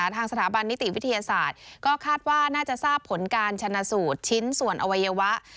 ทางสถาบันนิติวิทยาศาสตร์ก็คาดว่าน่าจะทราบผลการชนะสูตรชิ้นส่วนอวัยวะ